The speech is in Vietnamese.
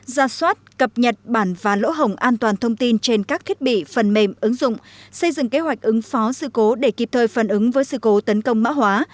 ra soát cập nhật bản và lỗ hồng an toàn thông tin trên các thiết bị phần mềm ứng dụng xây dựng kế hoạch ứng phó sự cố để kịp thời phân ứng với sự cố tấn công mã hóa